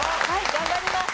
頑張ります。